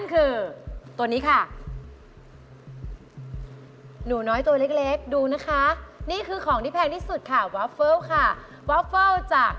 คำเล็กได้ค่ะ